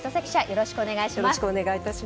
よろしくお願いします。